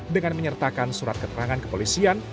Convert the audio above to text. dengan menyertakan surat keterangan kepolisian